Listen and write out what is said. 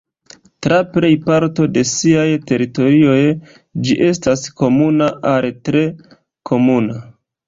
Tra plej parto de siaj teritorioj, ĝi estas komuna al tre komuna.